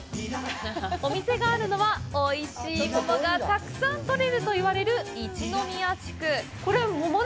お店があるのは、おいしい桃がたくさんとれるといわれる、一宮地区。